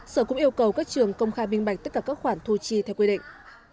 sở cũng yêu cầu các trường công khai minh bạch tất cả các khoản thu chi theo quy định